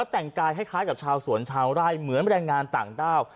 แล้วแต่งกายคล้ายคล้ายกับชาวสวนชาวไร่เหมือนแบรนด์งานต่างด้าว